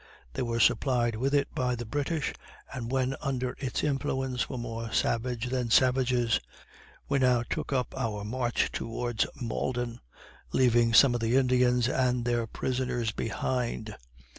They were supplied with it by the British, and when under its influence were more savage than savages. We now took up our march towards Malden, leaving some of the Indians and their prisoners behind.